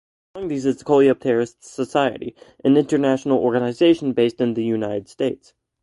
Among these is The Coleopterists Society, an international organization based in the United States.